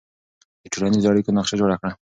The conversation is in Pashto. د ټولنیزو اړیکو نقشه جوړه کړه.